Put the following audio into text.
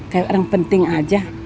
kayak orang penting aja